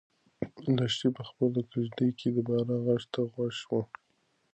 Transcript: لښتې په خپله کيږدۍ کې د باران غږ ته غوږ شو.